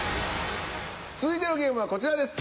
続いてのゲームはこちらです。